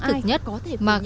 mà không ai có thể nhận được